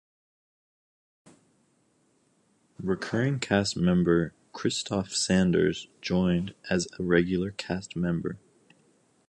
Recurring cast member Christoph Sanders joined as a regular cast member.